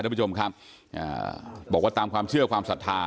ทุกผู้ชมครับอ่าบอกว่าตามความเชื่อความศรัทธา